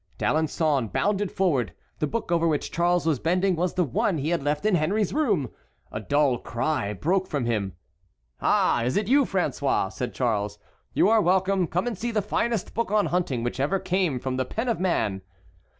D'Alençon bounded forward. The book over which Charles was bending was the one he had left in Henry's room. A dull cry broke from him. "Ah, is it you, François?" said Charles, "you are welcome; come and see the finest book on hunting which ever came from the pen of man."